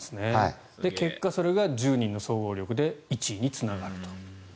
結果、それが１０人の総合力で１位につながると。